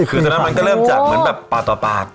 คือตอนนั้นมันก็เริ่มจากเหมือนแบบปากต่อปาก